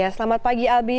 selamat pagi albi